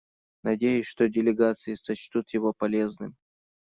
Надеюсь, что делегации сочтут его полезным.